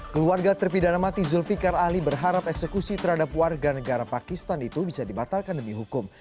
keluarga terpidana mati zulfiqar ali berharap eksekusi terhadap warga negara pakistan itu bisa dibatalkan demi hukum